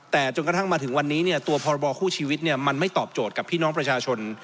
แต่จนกระทั่งมาถึงวันนี้ตัวพรบคู่ชีวิตมันไม่ตอบโจทย์กับพี่น้องประชาชน